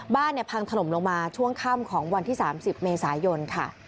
บ้านเนี่ยพังถลมลงมาช่วงค่ำของวันที่๓๐เมษายนค่ะ